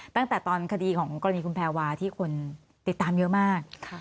ตั้งแต่ตอนคดีของกรณีคุณแพรวาที่คนติดตามเยอะมาก